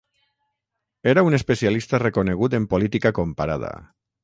Era un especialista reconegut en política comparada.